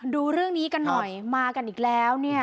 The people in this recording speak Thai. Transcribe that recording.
ดูเรื่องนี้กันหน่อยมากันอีกแล้วเนี่ย